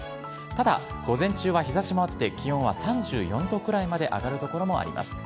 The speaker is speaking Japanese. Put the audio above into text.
ただ午前中は日ざしもあって、気温は３４度くらいまで上がる所もあります。